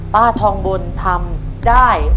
ป้าทองบนทำได้หรือไม่ได้ครับ